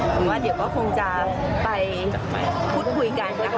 ผมว่าเดี๋ยวก็คงจะไปพูดคุยกันนะคะ